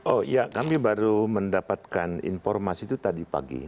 oh iya kami baru mendapatkan informasi itu tadi pagi